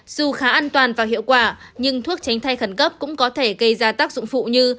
dù khá an toàn và hiệu quả nhưng thuốc tránh thai khẩn cấp cũng có thể gây ra tác dụng phụ như